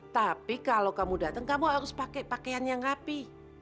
tapi kalau kamu datang kamu harus pakai pakaian yang ngapi